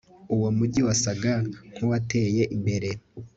uwo mujyi wasaga nkuwateye imbere